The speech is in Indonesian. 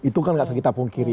itu kan nggak kita pungkiri